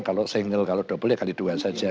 kalau single kalau double ya kali dua saja